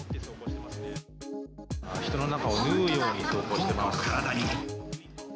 人の中を縫うように走行してます。